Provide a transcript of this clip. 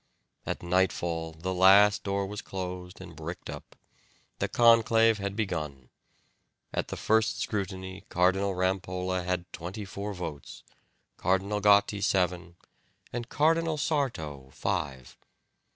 At nightfall the last door was closed and bricked up; the conclave had begun. At the first scrutiny Cardinal Rampolla had twenty four votes, Cardinal Gotti seven, and Cardinal Sarto five.